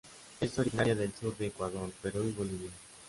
Es originaria del sur de Ecuador, Perú y Bolivia.